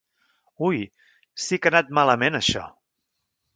Ui, sí que ha anat malament, això!